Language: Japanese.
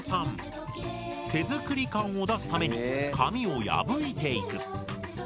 手作り感を出すために紙を破いていく。